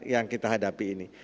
yang kita hadapi ini